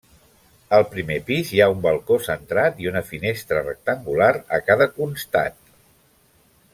Al primer pis hi ha un balcó centrat i una finestra rectangular a cada constat.